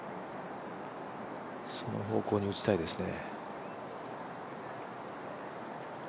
その方向に打ちたいですね。